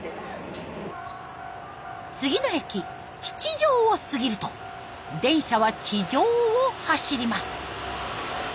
次の駅七条を過ぎると電車は地上を走ります。